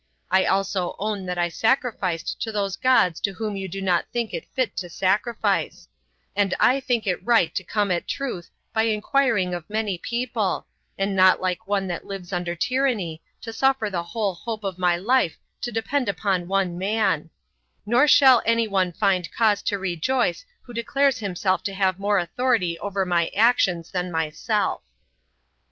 I also own that I sacrificed to those gods to whom you do not think it fit to sacrifice; and I think it right to come at truth by inquiring of many people, and not like one that lives under tyranny, to suffer the whole hope of my life to depend upon one man; nor shall any one find cause to rejoice who declares himself to have more authority over my actions than myself."